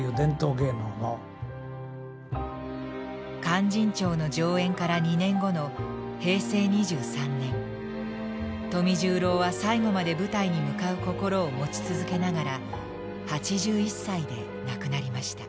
「勧進帳」の上演から２年後の平成２３年富十郎は最後まで舞台に向かう心を持ち続けながら８１歳で亡くなりました。